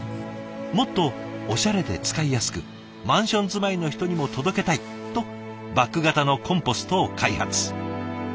もっとおしゃれで使いやすくマンション住まいの人にも届けたいとバッグ型のコンポストを開発。